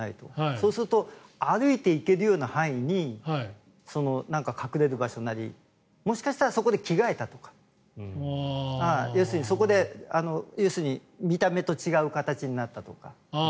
そうすると歩いていけるような範囲に隠れる場所なりもしかしたらそこで着替えたとか要するにそこで見た目と違う形になったとか。